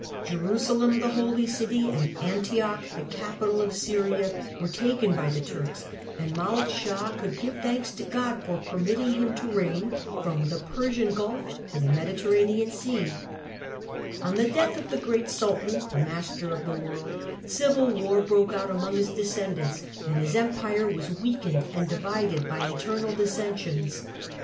Jerusalem, the Holy City, THE COMNENI AND THE TWO FIRST CRUSADES 137 id Aiitioch, the capital of Syria, were taken by the Turks, and Malek Shah could give thanks to God for permitting him to reign from the Persian Gulf to the Mediterranean Sea. On the death of the great Sultan, the "Master of the World," civil war broke out among his descendants and his Empire was weakened and divided by internal dissensions.